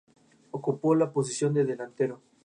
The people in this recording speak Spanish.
Ocupó la posición de delantero.